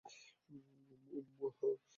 উম, উম, উহ।